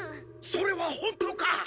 それは本当か！